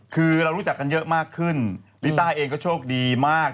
คือเรารู้จักกันเยอะมากขึ้นลิต้าเองก็โชคดีมาก